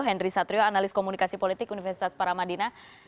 henry satrio analis komunikasi politik universitas paramadina